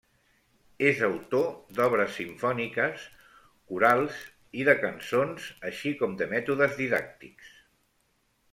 És autor d'obres simfòniques, corals i de cançons, així com de mètodes didàctics.